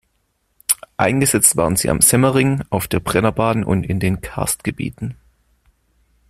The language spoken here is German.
Eingesetzt waren sie am Semmering, auf der Brennerbahn und in den Karstgebieten.